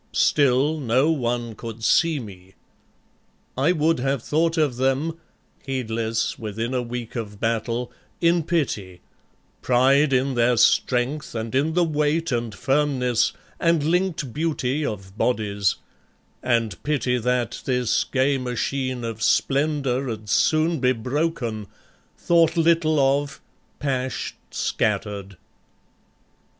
Still No one could see me. I would have thought of them Heedless, within a week of battle in pity, Pride in their strength and in the weight and firmness And link'd beauty of bodies, and pity that This gay machine of splendour 'ld soon be broken, Thought little of, pashed, scattered